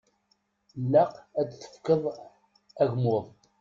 Llaq ad d-tefkeḍ agmuḍ.